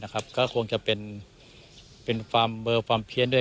ก็คงจะเป็นเบอร์ฟังเพี้ยนด้วย